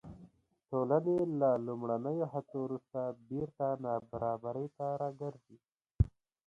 ټولنې له لومړنیو هڅو وروسته بېرته نابرابرۍ ته راګرځي.